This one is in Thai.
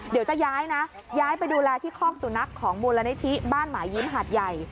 เดี๋ยวจะย้ายนะย้ายไปดูแลที่คอกสุนัขของมูลนิธิบ้านหมายยิ้มหาดใหญ่